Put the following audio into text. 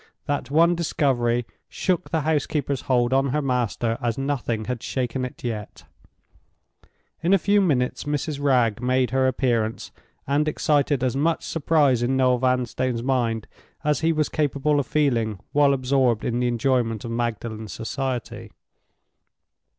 That one discovery shook the housekeeper's hold on her master as nothing had shaken it yet. In a few minutes Mrs. Wragge made her appearance, and excited as much surprise in Noel Vanstone's mind as he was capable of feeling while absorbed in the enjoyment of Magdalen's society.